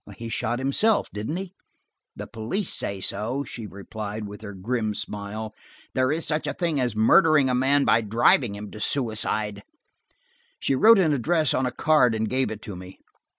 "He shot himself, didn't he?" "The police said so," she replied, with her grim smile. "There is such a thing as murdering a man by driving him to suicide." She wrote an address on a card and gave it to me.